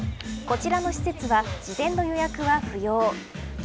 こちらの施設は事前の予約は不要。